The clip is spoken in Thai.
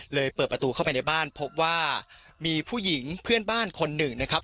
เปิดประตูเข้าไปในบ้านพบว่ามีผู้หญิงเพื่อนบ้านคนหนึ่งนะครับ